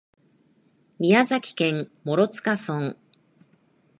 宮崎県諸塚村